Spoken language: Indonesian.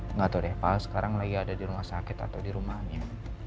enggak tau deh pak alma sekarang lagi ada di rumah sakit atau di rumahnya